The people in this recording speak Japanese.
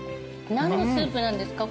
何のスープなんですか？